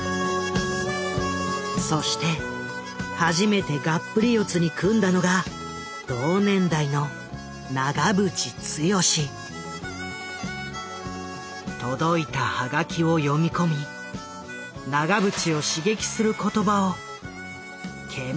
そして初めてがっぷり四つに組んだのが同年代の届いたハガキを読み込み長渕を刺激する言葉を懸命に探った。